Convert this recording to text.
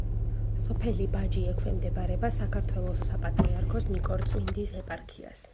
სოფელი ბაჯი ექვემდებარება საქართველოს საპატრიარქოს ნიკორწმინდის ეპარქიას.